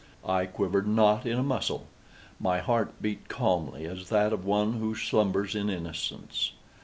I quivered not in a muscle. My heart beat calmly as that of one who slumbers in innocence.